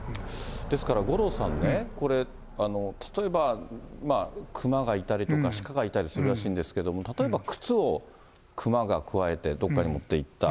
ですから、五郎さんね、これ、例えば熊がいたりとか、鹿がいたりするらしいんですけれども、例えば、靴を熊がくわえてどっかに持っていった。